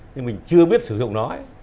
nhưng mình chưa biết sử dụng nó ấy